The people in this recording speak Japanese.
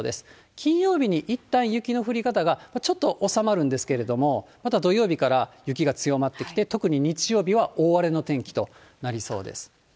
金曜日にいったん雪の降り方がちょっと収まるんですけれども、また土曜日から雪が強まってきて、特に日曜日は大荒れの天気となりそうです。